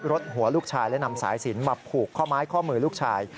ดหัวลูกชายและนำสายสินมาผูกข้อไม้ข้อมือลูกชาย